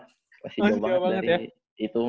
masih jauh banget dari itu